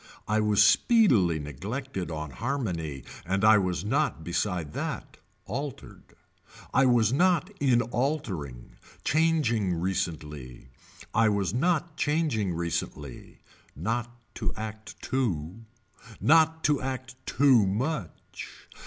I was speedily neglected on harmony and I was not beside that altered. I was not in altering changing recently. I was not changing recently. Not to act too. Not to act too much.